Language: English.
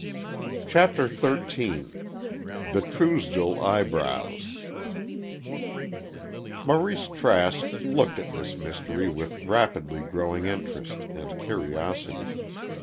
CHAPTER XIII THE TRUESDELL EYEBROWS Maurice Trask looked at Miss Mystery with rapidly growing interest and curiosity.